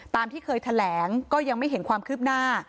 ที่เคยแถลงก็ยังไม่เห็นความคืบหน้า